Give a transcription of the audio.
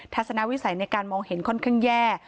ทศนวิสัยในการมองเห็นค่อนข้างแย่